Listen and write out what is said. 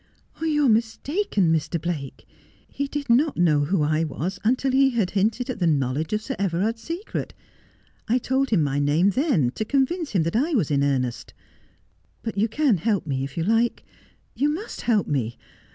' You are mistaken, Mr. Blake. He did not know who I was until he had hinted at the knowledge of Sir Everard's secret. I told him my name then, to convince him that I was in earnest. But you can help me if you like. You must help me.